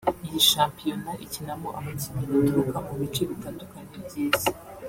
Iyi shampiyona ikinamo abakinnyi baturuka mu bice bitandukanye by’isi